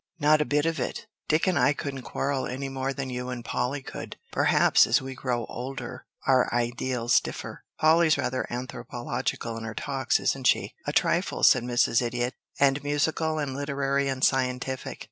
"Not a bit of it. Dick and I couldn't quarrel any more than you and Polly could. Perhaps as we grow older our ideals differ. Polly's rather anthropological in her talks, isn't she?" "A trifle," said Mrs. Idiot. "And musical and literary and scientific."